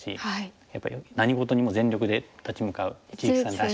やっぱり何事にも全力で立ち向かう一力さんらしい。